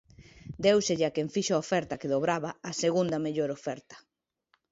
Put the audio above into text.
Déuselle a quen fixo a oferta que dobraba a segunda mellor oferta.